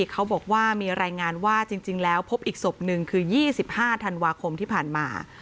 เขาบอกว่ามีรายงานว่าจริงแล้วพบอีกศพหนึ่งคือ๒๕ธันวาคมที่ผ่านมา